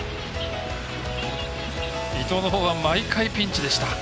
伊藤のほうは毎回ピンチ。